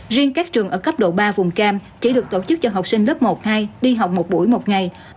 riêng các trường ở cấp độ ba vùng cam chỉ được tổ chức cho học sinh lớp một hai đi học một buổi một ngày